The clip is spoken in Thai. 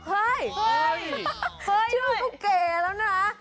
เฮ้ยชื่อก็เกลียดแล้วนะ